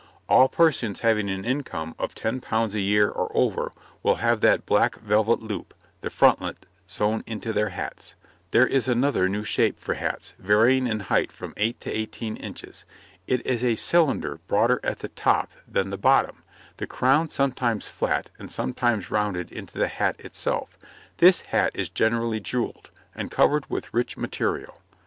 All persons having an income of £10 a year and over will have that black velvet loop, the frontlet, sewn into their hats. There is another new shape for hats, varying in height from 8 to 18 inches. It is a cylinder, broader at the top than the bottom, the crown sometimes flat and sometimes rounded into the hat itself; this hat is generally jewelled, and covered with rich material.